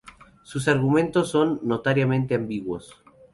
Sus argumentos son notoriamente ambiguos.